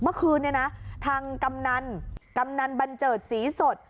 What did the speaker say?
หมาวคือนี้นะทางกำนันกำนันบันเจิดสีสด